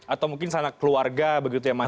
atau mungkin sana keluarga begitu ya mas